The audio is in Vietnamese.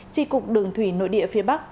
trị cục đường thủy nội địa phía bắc